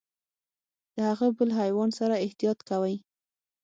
د هغه بل حیوان سره احتياط کوئ .